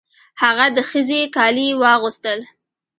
هغه د ښځې کالي یې واغوستل.